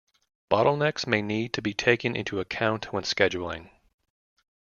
Bottlenecks may need to be taken into account when scheduling.